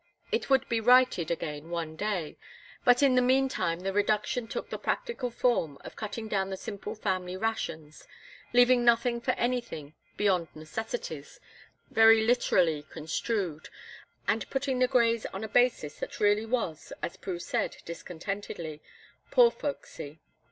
It would be righted again one day, but in the meantime the reduction took the practical form of cutting down the simple family rations, leaving nothing for anything beyond necessities, very literally construed, and putting the Greys on a basis that really was, as Prue said, discontentedly: "Poor folksy."